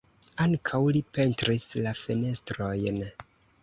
Ankaŭ li pentris la fenestrojn.